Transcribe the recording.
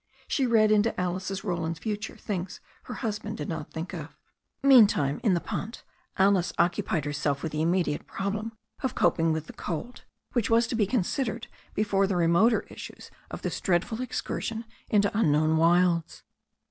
She read into Alice Roland's future things her husband did not think of. Meantime, in the punt, Alice occupied herself with the immediate problem of coping with the cold, which was to be considered before the remoter issues of this dreaded ex cursion into unknown wilds.